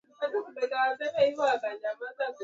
Hawezi mwingine, kunifaa.